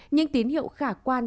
những tín hiệu khả cung